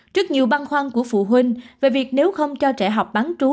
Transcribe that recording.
trước nhiều băng khoăn của phụ huynh về việc nếu không cho trẻ học bán trú